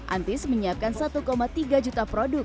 antis menyiapkan satu tiga juta produk